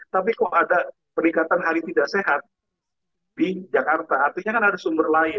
tapi kok ada peningkatan hari tidak sehat di jakarta artinya kan ada sumber lain